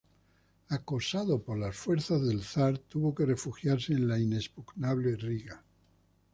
Acosado por las fuerzas del zar, tuvo que refugiarse en la inexpugnable Riga.